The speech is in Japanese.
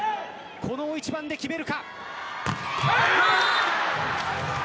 この大一番で決めるか。